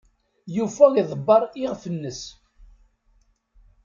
Yuba iḍebber iɣef-nnes.